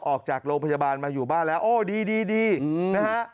ออกจากโรงพยาบาลมาอยู่บ้านแล้วโอ้ดีดีนะฮะ